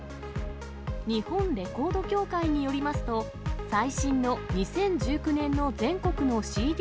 日本レコード協会によりますと、最新の２０１９年の全国のＣＤ